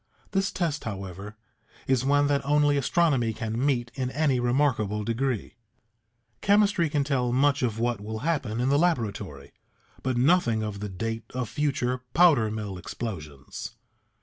This test, however, is one that only astronomy can meet in any remarkable degree. Chemistry can tell much of what will happen in the laboratory, but nothing of the date of future powder mill explosions.